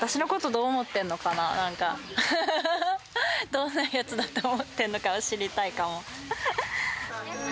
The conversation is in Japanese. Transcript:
どんなやつだと思ってるのかを知りたいかも。